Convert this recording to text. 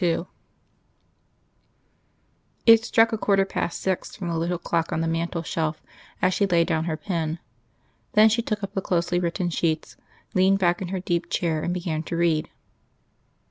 II It struck a quarter past six from the little clock on the mantel shelf as she laid down her pen. Then she took up the closely written sheets, leaned back in her deep chair, and began to read.